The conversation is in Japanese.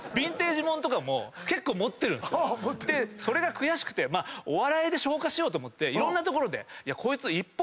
悔しくてお笑いで消化しようと思っていろんな所で。